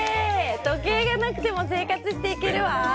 時計がなくてもせいかつしていけるわ。